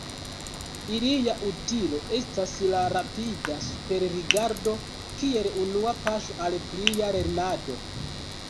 Ilia utilo estas la rapida superrigardo, kiel unua paŝo al plia lernado.